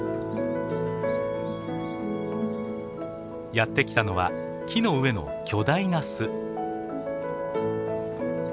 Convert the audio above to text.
やって来たのは木の上の巨大な巣。